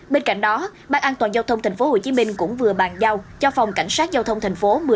bên cạnh đó bác an toàn giao thông tp hcm cũng vừa bàn giao cho phòng cảnh sát giao thông tp hcm